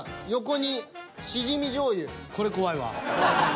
これ怖いわ。